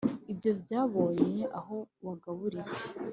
Ibyo byabonye aho wagaburiye